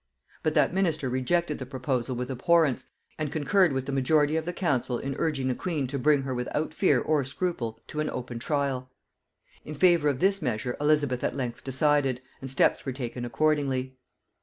But that minister rejected the proposal with abhorrence, and concurred with the majority of the council in urging the queen to bring her without fear or scruple to an open trial. In favor of this measure Elizabeth at length decided, and steps were taken accordingly.